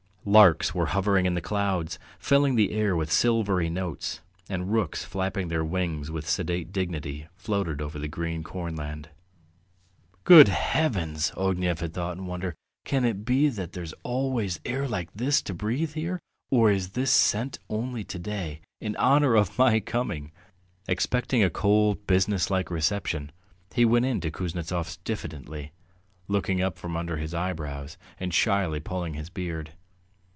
Larks were hovering in the clouds, filling the air with silvery notes, and rooks flapping their wings with sedate dignity floated over the green cornland. "Good heavens!" Ognev had thought in wonder; "can it be that there's always air like this to breathe here, or is this scent only to day, in honour of my coming?" Expecting a cold business like reception, he went in to Kuznetsov's diffidently, looking up from under his eyebrows and shyly pulling his beard.